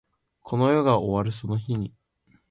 この世が終わるその日に